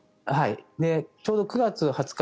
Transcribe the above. ちょうど９月２０日